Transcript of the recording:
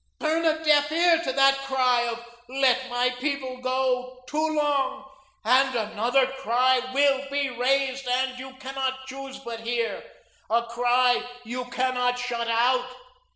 Turn a deaf ear to that cry of 'Let My people go' too long and another cry will be raised, that you cannot choose but hear, a cry that you cannot shut out.